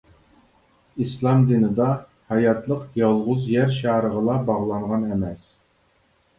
ئىسلام دىنىدا ھاياتلىق يالغۇز يەر شارىغىلا باغلانغان ئەمەس.